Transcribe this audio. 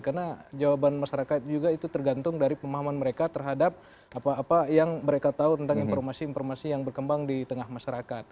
karena jawaban masyarakat juga itu tergantung dari pemahaman mereka terhadap apa apa yang mereka tahu tentang informasi informasi yang berkembang di tengah masyarakat